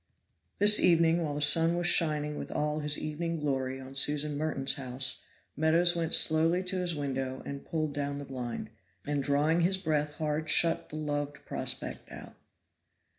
This evening, while the sun was shining with all his evening glory on Susan Merton's house, Meadows went slowly to his window and pulled down the blind, and drawing his breath hard shut the loved prospect out.